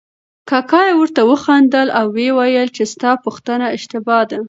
کاکا یې ورته وخندل او ویې ویل چې ستا پوښتنه اشتباه ده.